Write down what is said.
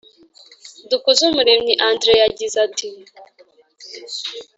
Dukuzumuremyi Andrew yagize ati